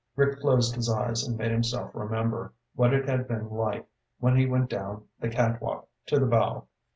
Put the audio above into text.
Rick closed his eyes and made himself remember what it had been like when he went down the catwalk to the bow.